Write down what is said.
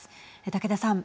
竹田さん。